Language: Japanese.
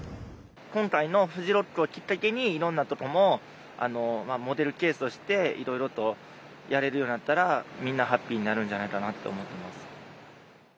今回のフジロックをきっかけに、いろんなとこもモデルケースとして、いろいろとやれるようになったら、みんなハッピーになるんじゃないかなと思ってます。